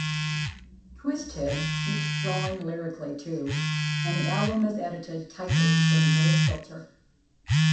Twiztid keeps growing lyrically too and the album is edited tightly with little filler.